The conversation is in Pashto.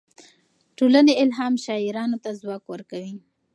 ټولنې الهام شاعرانو ته ځواک ورکوي.